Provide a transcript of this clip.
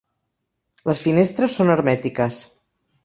Les finestres són hermètiques.